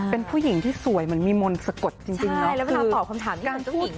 เป็นผู้หญิงที่สวยเหมือนมีมนต์สะกดจริงจริงเนาะเวลาตอบคำถามที่เป็นเจ้าหญิง